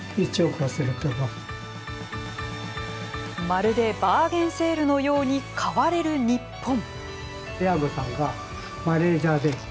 まるでバーゲンセールのように「買われる日本」。